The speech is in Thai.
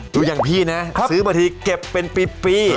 อย่างพี่นะซื้อมาทีเก็บเป็นปี